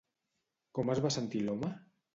Com es va sentir l'home?